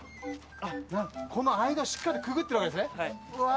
この間しっかりくぐってるわけですねはいうわ